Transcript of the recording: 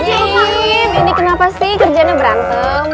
ini kenapa sih kerjanya berantem